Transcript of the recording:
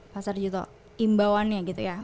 pasar juto imbauannya gitu ya